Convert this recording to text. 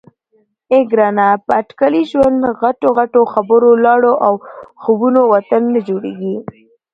_اه ګرانه! په اټکلي ژوند، غټو غټو خبرو، لاړو او خوبونو وطن نه جوړېږي.